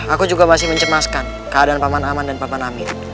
aku juga masih mencemaskan keadaan paman aman dan paman amin